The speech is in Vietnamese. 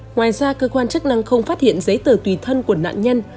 ngoài ra cơ quan chức năng không phát hiện giấy tờ tùy thân của nạn nhân